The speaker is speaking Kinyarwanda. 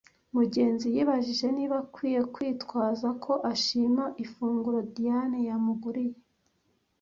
Mugenzi yibajije niba akwiye kwitwaza ko ashima ifunguro Diyane yamugiriye.